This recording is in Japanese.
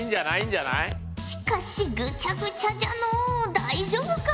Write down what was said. しかしぐちゃぐちゃじゃのう大丈夫か？